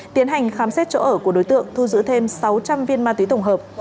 tiến hành khám xét chỗ ở của đối tượng thu giữ thêm sáu trăm linh viên ma túy tổng hợp